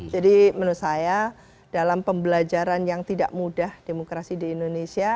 jadi menurut saya dalam pembelajaran yang tidak mudah demokrasi di indonesia